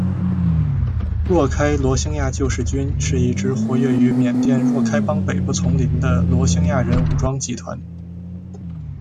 若开罗兴亚救世军是一支活跃于缅甸若开邦北部丛林的罗兴亚人武装集团。